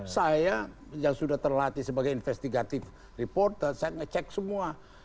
saya yang sudah terlatih sebagai investigative reporter saya ngecek semua